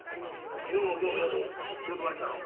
昨日も今日も夜仕事場に来たろ。